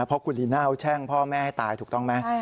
เพราะคุณลีน่าเขาแช่งพ่อแม่ให้ตายถูกต้องไหม